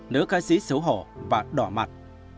nữ ca sĩ xấu hổ và đỏ mặt